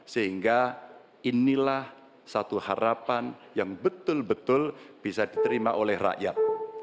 sehingga inilah satu harapan yang betul betul bisa diterima oleh rakyat